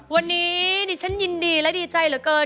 วันนี้ดิฉันยินดีและดีใจเหลือเกิน